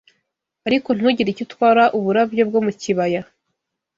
ariko ntugire icyo utwara uburabyo bwo mu kibaya